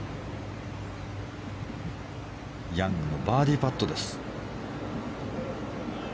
ヤングのバーディーパットです。